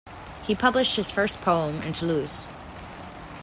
He published his first poem in Toulouse.